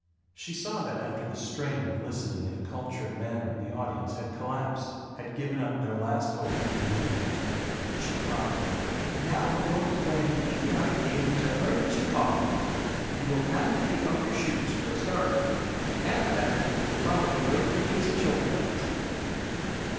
She saw that after the strain of listening in a cultured manner the audience had collapsed; had given up their last hope of being amused. She cried, "Now we're going to play an idiotic game which I learned in Chicago. You will have to take off your shoes, for a starter! After that you will probably break your knees and shoulder blades."